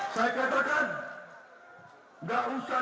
saya katakan gak usah nakut nakuti kita